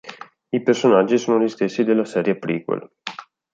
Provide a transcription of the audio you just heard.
I personaggi sono gli stessi della serie prequel.